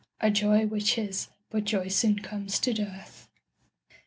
A joy which is but joy soon comes to dearth.